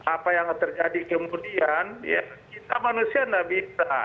apa yang terjadi kemudian ya kita manusia tidak bisa